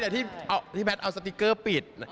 นี่แผงที่เอาสติเกอร์ปิด